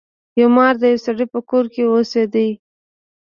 یو مار د یو سړي په کور کې اوسیده.